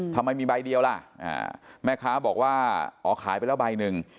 ทำไมมีใบเดียวล่ะแม่ค้าบอกว่าอ๋อขายไปแล้วใบหนึ่ง